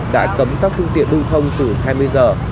đã cấm các phương tiện lưu thông từ hai mươi giờ